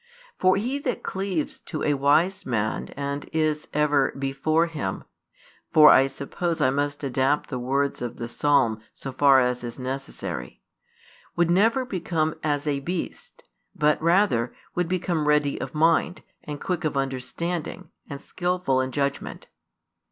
For he that cleaves to a wise man and "is" ever "before" him, (for I suppose I must adapt the words of the Psalm so far as is necessary,) would never become "as a beast;" but rather would become ready of mind, and quick of understanding, and skilful in judgment.